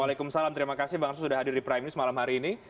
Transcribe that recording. waalaikumsalam terima kasih bang arsul sudah hadir di prime news malam hari ini